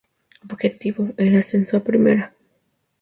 Objetivo, el ascenso a Primera.